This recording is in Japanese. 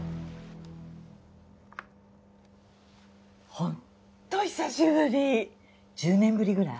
ホント久しぶり１０年ぶりくらい？